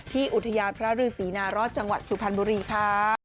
อุทยานพระฤษีนารอดจังหวัดสุพรรณบุรีค่ะ